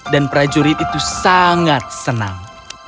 dan prajurit itu sangat senang